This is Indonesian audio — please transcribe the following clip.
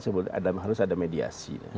sebetulnya harus ada mediasi